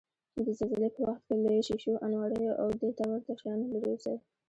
د زلزلې په وخت کې له شیشو، انواریو، او دېته ورته شیانو لرې اوسئ.